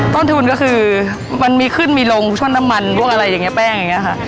ต้นทุนก็คือมันมีขึ้นมีลงช่วงน้ำมันพวกอะไรอย่างนี้แป้งอย่างนี้ค่ะ